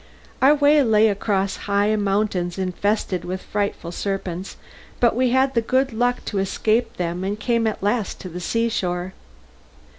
Our way lay across high mountains infested with frightful serpents, but we had the good luck to escape them and came at last to the seashore.